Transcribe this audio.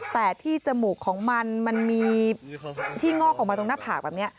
แต่ที่จมูกของมันมันมีที่งอกออกมาตรงหน้าผากแบบนี้